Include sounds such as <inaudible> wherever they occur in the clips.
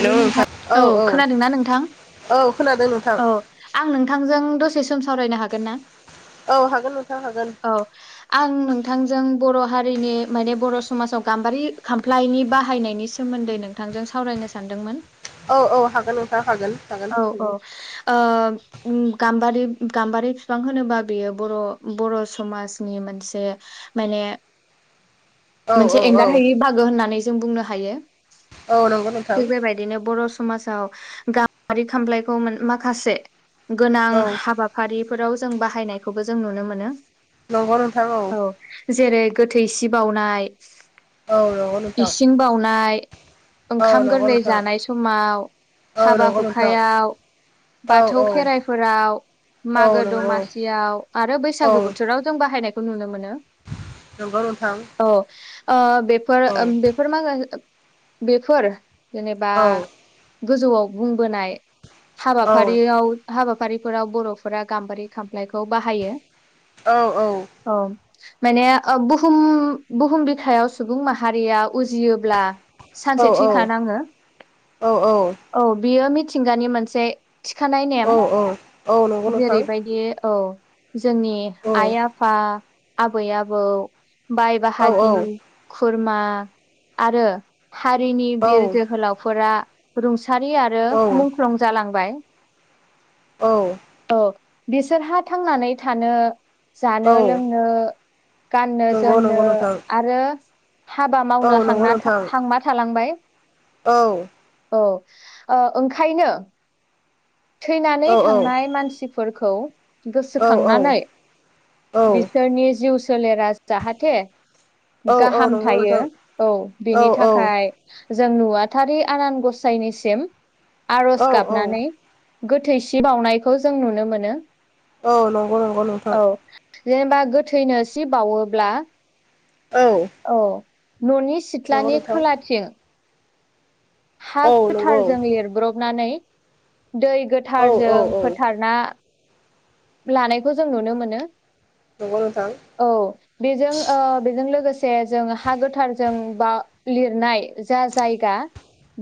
हेल' नोंथां औ खोनादोंना नोंथां? औ खोनादों नोंथां औ आं नोंथांजों दसे सम सावरायनो हागोन ना? औ हागोन नोंथां हागोन औ आं नोंथांजों बर' हारिनि माने बर' समाजाव गाम्बारि खामफ्लायनि बाहायनायनि सोमोन्दै नोंथांजों सावरायनो सान सानदोंमोन। औ औ हागोन नोंथाङा हागोन हागोन। औ औ ओ गाम्बारि गाम्बारि फिफां होनोबा बियो बर' बर' समाजनि मोनसे मायने औ औ मोनसे औ एंगारहायि बाहागो होननानै जों बुनो हायो। औ नंगौ नोंथां। थिग बेबायदिनो बर' समाजाव गारि खामफ्लायखौ मोन माखासे गोनां औ हाबाफारिफोराव जों बाहायनायखौबो जों नुनो मोनो। नंगौ नोंथां औ जेरै गोथै सि बावउनाय औ नंगौ नोंथां इसिं बावनाय ओंखा औ खाम नंगौ गोरलै नोंथां जानाय समाव औ हाबा नंगौ नोंथां हुखायाव औ बाथौ औ खेराइफोराव औ मागो नंगौ दमासियाव आरो औ बैसागु बोथोराव जों बाहायनाय खौ नुनो मोनो नंगौ नोंथां औ ओ बेफोर औ ओ बेफोर मागा बेफोर जेनेबा औ गोजौआव बुंबोनाय औ हाबाफारियाव हाबा फारिफोराव बर'फोरा गाम्बारि खामफ्लायखौ बाहायो। औ औ। माने ओ बुहुम बुहुम बिखायाव सुबुं माहारिया उजियोब्ला औ सानसे थैखानाङो औ औ बियो मिथिंगानि मोनसे थिखानाय औ नेम नंगौ नोंथां जेरैबायदि औ। जोंनि औ आइ आफा आबै आबौ बाय औ बाहागि खुरमा आरो हारिनि बिर औ जोहोलावफोरा रुंसारि आरो मुंख्लं जालांबाय। औ। औ बिसोरहा थांनानै थानो जानो औ लोंनो गाननो नंगौ नंगौ जोमनो नोंथां आरो हाबा औ मावनो नंगौ हांना था नोंथां हांमा थालांबाय। औ औ ओ ओंखायनो थैनानै थांनाय मानसि फोरखौ औ गोसोखांनानै औ बिसोरनि जिउ सोलेरा जाहाथे औ औ गाहाम नंगौ थायो नोंथां औ बेनि थाखाय जों नुवाथारि आनान गसाइनिसिम औ आर'ज औ गाबनानै गोथैसि बावनायखौ जों नुनो मोनो। औ नंगौ नंगौ नोंथां। औ जेनेबा गोथैनो सि बावोब्ला - औ न'नि नंगौ सिथ्लानि नोंथां खोलाथिं हा औ नंगौ गोथारजों लिरब्रबनानै दै औ औ गोथारजों औ फोथारना लानायखौ जों नुनो मोनो। नंगौ नोंथां औ बेजों ओ बेजों लोगो से जों हा गोथारजों बा लिरनाय जा जायगा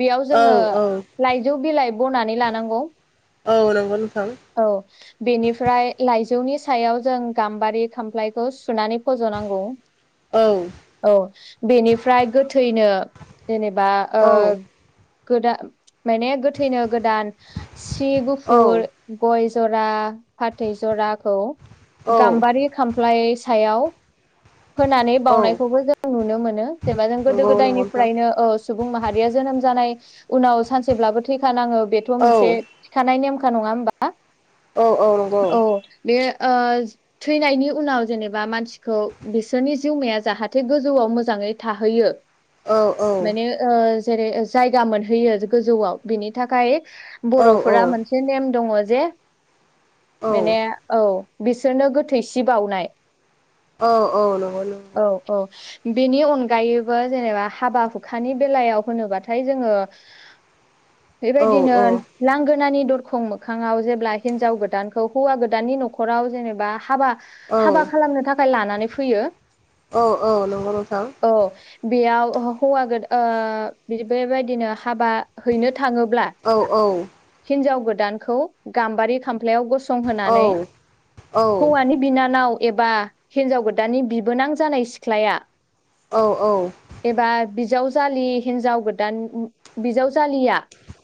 बेयाव औ जोङो औ लाइजौ बिलाइ बनानै लानांगौ। औ नंगौ नोंथां औ बेनि लाइजौनि सायाव जों गाम्बारि खामफ्लायखौ सुनानै फजनांगौ औ औ बेनिफ्राय गोथैनो जेनेब बा ओ औ गोदा माने गोथैनो गोदान सि औ गुफुर गय ज'रा फाथै ज'राखौ औ गाम्बारि खामफ्लाय सायाव होनानै औ बावनायखौबो जों नुनो मोनो जेनबा जों गोदो नंगौ नंगौ नोंथां गोदायनिफ्रायनो ओ सुबुं माहारिया जोनोम जानाय उनाव सानसेब्लाबो थैखाानाङो बेथ' मोनसे औ थिखानाय नेमखा नङा होमबा? औ औ नंगौ औ बे ओ थैनायनि उनाव जेनेबा मानसिखौ बिसोरनि जिउमाया जाहाथे गोजौआव मोजां थाहैयो। औ माने ओ जेरै जायगा मोनहैयो गोजौआव बिनि थाखाय। औ बर'फोरा मोनसे नेम दङ जे माने नंगौ औ बिसोरनो गोथैसि बावनाय। औ औ नंगौ नंगौ। औ औ बेनि अनगायैबो जेनेबा हाबा हुखानि बेलायाव होनोबाथाय जोङो बेबायदिनो लांगोनानि दरखं मोखाङाव जेब्ला हिनजाव गोदानखौ हौवा गोदाननि नखराव जेनेबा हाबा हाबा खालामनो थाखाय लाना फैयो। औ औ नंगौ नोंथां। औ बेयाव हौवा गो ओ बेबायदिनो हाबा हैनो थाङोब्ला औ हिनजाव गोदानखौ गाम्बारि <unintelligible> गसंहोनानै औ औ औ हौवानि बिनानाव एबा हिन्जाव गोदाननि बिबोनां जानाय सिख्लाया औ औ। एबा बिजावजालि हिनजाव गोदान बिजावजालिया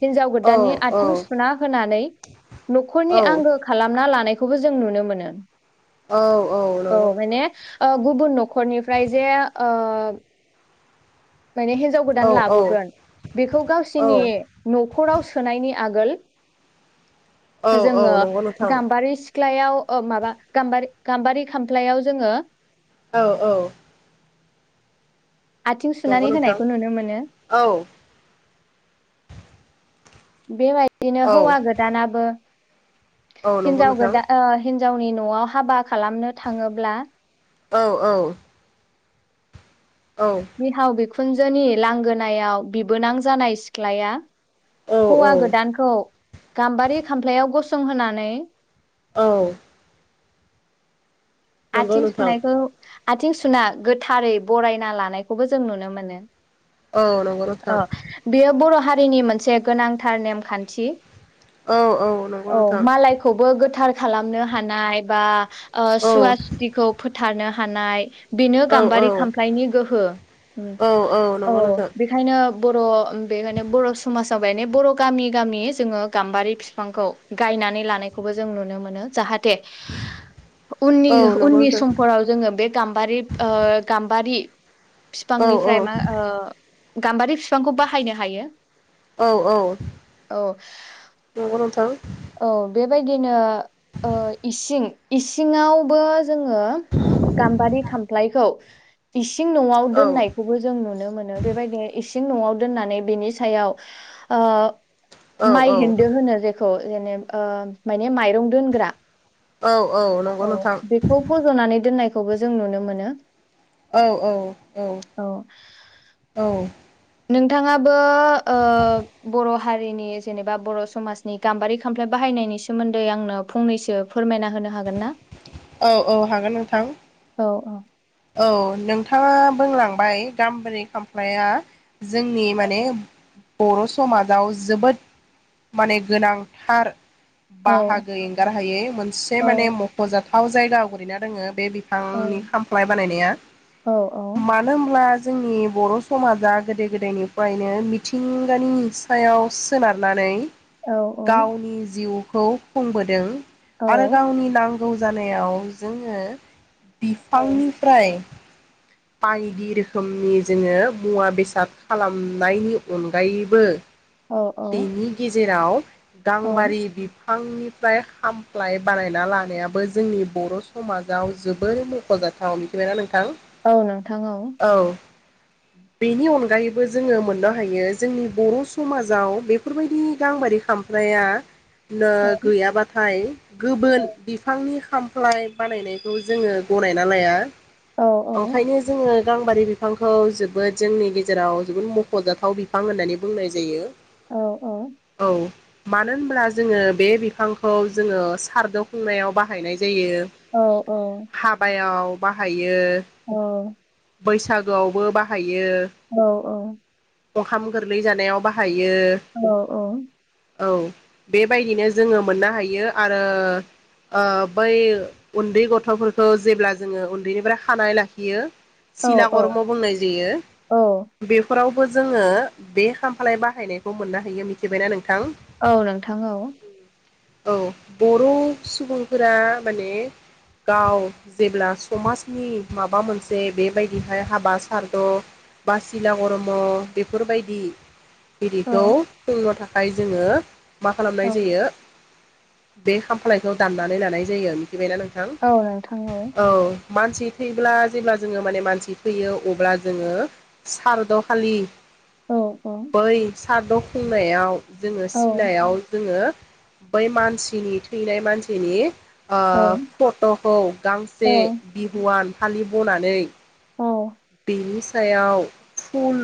हिनजाव औ गोदाननि आथिं सुना होनानै नखरनि आंगो खालाम ना लानायखौबो जों नुनो मोनो। औ औ नंगौ माने नोंथां ओ गुबुन नखरनिफ्राय जे ओ <unintelligible> माने हिनजाव औ गोदान औ लाबोगोन बेखौ गावसिनि औ नखराव सोनायनि आगोल औ औ जोङो नंगौ नोंथां गाम्बारि <unintelligible> ओ माबा गाम्बारि गाम्बारि खामफ्लायाव जोङो औ औ। आथिं सुनानै नंगौ नोंथां होनायखौ नुनो मोनो। औ बेबायदिनो औ हौवा गोदानाबो औ नंगौ हिनजाव नोंथां गोदान ओ हिनजावनि न'आव हाबा खालामनो थाङोब्ला औ औ। औ बिहाव बिखुनजोनि लांगोनायाव बिबोनां जानाय सिख्लाया औ हौवा गोदानखौ गाम्बारि खामफ्लायाव गसंहोनानै औ। नंगौ आथिं नोंथां सुनायखौ आथिं सुना गोथारै बरायना लानायखौबो जों नुनो मोनो। औ नंगौ नोंथां ओ बेयो बर' हारिनि मोनसे गोनांथार नेमखान्थि। औ औ नंगौ औ नोंथां मालायखौबो गोथार खालामनो हानाय बा ओह औ सुवा खौ फोथारनो हानाय। बेनो औ गाम्बारि खामफ्लायनि गोहो औ औ नंगौ नोंथां बेखायनो बर' बेखायनो बर' समाजाव बर' गामि गामि जोङो गाम्बारि बिफांखौ गाय नानै लानायखौबो जों नुनो मोनो जाहाथे उननि औ नंगौ उननि नोंथां समफोराव जोङो बे गाम्बारि ओह गाम्बारि औ औ फिफांनिफ्राय मा ओ गाम्बारि फिफांखौ बाहायनो हायो। औ औ औ नंगौ नोंथां। औ बेबायदिनो ओ इसिं इसिङावबो जोङो गाम्बारि खामफ्लायखौ इसिं सिं न'आव दोननायखौबो जों नुनो मोनो बेबायदिनो इस इसिं न'आव दोननानै बिनि सायाव ओह माइ औ हेन्दो औ होनो जेखौ। जेनेब ओह माय बे मायरं दोग्रा नंगौ औ नोंथां बेखौ फज'नानै दोननाय खौबो जों नुनो मोनो। औ औ औ औ नोंथाङाबो ओ बर' हारिनि जेनेबा बर' समाजनि गाम्बारि खामफ्लाय बाहायनायनि सोमोन्दै आंनो फंनैसो फोरमायना हो नो हागोन ना? औ औ हागोन नोंथां औ औ औ नोंथाङा बोंलांबाय गाम्बारि खामफ्लाया जोंनि माने बर' समाजाव जोबोद माने गोनांथार औ बाहागो एंगारहायै मोनसे माने मख'जाथाव जायगा आवग्रिना दोङो बे औ फांनि खामफ्लाय बानायनाया औ मानो होमब्ला जोंनि बर' समाजा गोदो गोदायनिफ्रायनो मिथिंगानि सायाव सोनारनानै औ गावनि जिउखौ खुंबोदों औ आरो गावनि नां गौ जानायाव जोङो बिफांनिफ्राय बायदि रोखोमनि जोङो मुवा बेसाद खालामनायनि अनगायैबो औ औ बेनि गेजेराव औ गाम्बारि बि बिफांनिफ्राय खामफ्लाय बानायना लानायाबो जोंनि बर' समाजाव जोबोर मख'जाथाव थाव मिथिबायना नोंथां औ नोंथां औ <inaudible> बेनि अनगायैबो जोङो मोननो हायो जोंनि बर' समाजाव बेफोरबायदि गांबारि खामफ्लाय फ्लाया ल गैयाबाथाय औ गुबुन बिफांनि खामफ्लाय बानायनायखौ जोङो गनायना लाया औ औ ओंखायनो जोङो गांबारि बिफांखौ जोबोद जोंनि गेजेराव जोबोद मख'जाथाव बिफां होननानै बुंनाय जायो औ औ मानो होनब्ला जोङो बे बिफांखौ जोङो सारद' खुंनायाव बाहायनायज जायो औ औ हाबायाव बाहायो औ बैसागोआवबो बाहाय औ औ अंखाम गोरलै जानायाव बाहाय औ औ औ बेबायदिनो जोङो मोननो हायो आरो ओ बै उन्दै गथ'फोरखौ जेब्ला जोङो उन्दैनिफ्राय खानाय ला बियो सिला औ करम' बुंनाय जायो औ बेफोराव बो जोङो बे खामफ्लाय बाहायनायखो मोननो हायो मिथिबायना नोंथां औ नोंथां औ औ बर' सुबुंफोरा माने गाव जेब्ला समाजनि माब बा मोनसे बेबायदिहाय हाबा सारद' बासिला करम' बेफोरबायदि औ बिदिखौ खुंन' थाखाय जोङो मा खालामनाय औ औ जायो? बे खामफालायखौ दाननानै लानाय जायो मिथिबायना नोंथां औ। मानसि थै ब्ला जेब्ला जोङो माने मानसि थैयो अब्ला जोङो सारद' खालि औ बै सारद' खुंनायाव जोङो सिलायाव जोङो बै मानसिनि थैनाय मानसिनि ओ फट'खौ गांसे बिहुवान फालि ब'नानै नोंथां बेनि सायाव फुल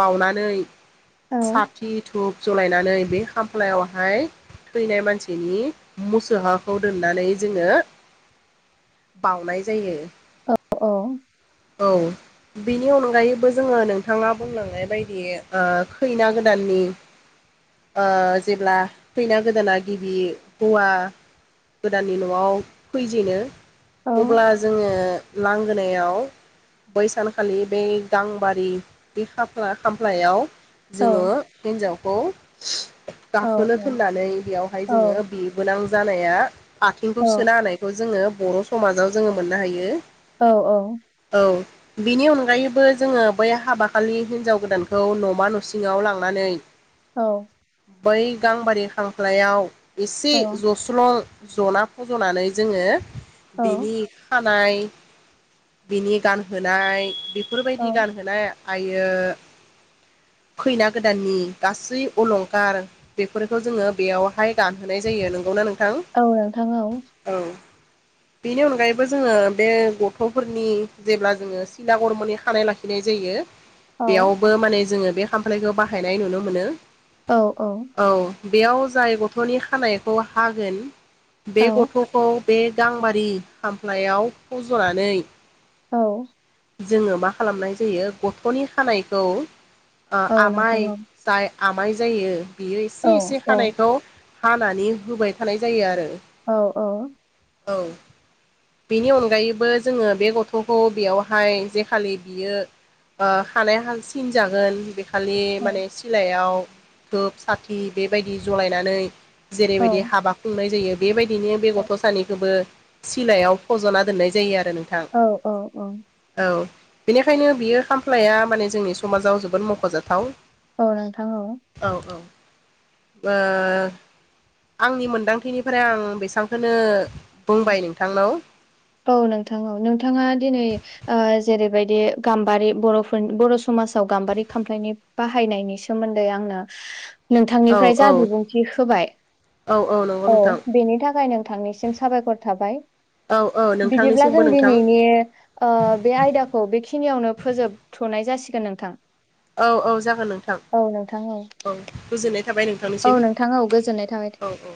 बावनानै साथि धुप जलायनानै बे खामफ्लायावहाय थैनाय मानसिनि मुसोहाखौ दोननानै जोङो बउनाय जायो। औ औ। औ। बिनि अनगायैबो जोङो नोंथाङा बुंलांनाय बायदि खैना गोदाननि ओ जेब्ला खैना गोदाना गिबि हवा गोदाननि न'आव फैजेनो अब्ला जोङो लांगोनायाव बैसानखालि ब गांबारि बे खामफ्लायाव जोङो हिन्जावखौ गाखोनो थिनानै बेयावहाय जोङो बिबोनां जानाया आथिंखौ सोना हानायखौ जोङो बर' समाजाव जोङो मोननो हायो। औ औ। बेनि अनगायैबो जोङो बै हाबाखलि हिनजाव गोदानखौ न'मा न'सिङाव लांनानै औ। बै गांबारि खांख्लायाव एसे जस्ल' जना फज'नानै जोङो बेनि ननाय बिनि गान होनाय बेफोरबायदि गानहोनाय आायो <unintelligible> खैना गोदाननि गासै अलंखार बेफोरखौ जोङो बेयावहाय गानहोनाय जायो नोंगौना नों औ नोंथां औ। बेनि अनगायैबो जोङो बे गथ'फोरनि जेब्ला जोङो सिला गरमै खानाय लाखिनाय जायो औ औ बेयावबो माने जोङो बे खामफायखौ बाहायनाय नुनो मोनो। औ औ। बेयाव जाय गथ'नि खानायखौ हागोन बे औ गथ'खौ। बे गांबारि खामफ्लायाव फज'नानै। औ। जोङो मा खालामनाय जायो गथ'नि खानायखौ ओ औ नोंथां आमाइ औ जाय। आमाइ जायो बियो औ एसे एसे औ हानायखौ हानानै होबाय थानाय जायो आरो। औ औ। औ बेनि अनगायैबो जोङो बे गथ'खौ बेयाव। हाय जेखालि बियो ओ खानाय हाय सिन जागोन। खालि माने सिलायाव धोब साथि बेबायदि जलायनानै। औ जेरैबायदि हाबा खुंनाय जायो बेबायदिनो बे गथ' सानैखौबो। सिलायाव फज'ना दोननाय जायो आरो। नोंथां औ औ औ। औ बेनिखायनो बियो खामफ्लाया माने जोंनि समाजाव जोबोद मख'जाथाव। औ नोंथां औ। ओ आंनि मोनदांथिनिफ्राय आं बेसांखौनो। बुंबाय नोंथांनाव औ नोंथां औ नोंथाङा दिनै। ओ जेरैबायदि गाम्बारि बर'फोरनि बर' समाजाव गाम्बारि खामफ्लायनि बाहायनायनि सोमोन्दै। न्दै आंङो। औ नोंथांनिफ्राय औ जा बिबुंथि होबाय औ नंगौ औ नोंथां बेनि थाखाय नोंथांनिसिम। साबायखर थाबाय। औ औ बिदिब्ला नोंथांनिसिमबो जों नोंथां दिनैनि ओ बे आयदाखौ बेखिनियावनो फोजोब। थ नाय जासिगोन नोंथां। औ औ जागोन नोंथां औ गोजोननाय। थाबाय औ नोंथांनिसिम नोंथां औ गोजोननाय थाबाय औ औ।